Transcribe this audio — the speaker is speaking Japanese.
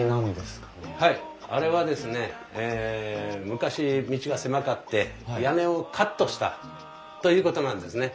昔道が狭かって屋根をカットしたということなんですね。